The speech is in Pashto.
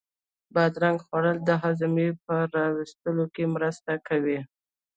بادرنگ خوړل د هاضمې په را وستلو کې مرسته کوي.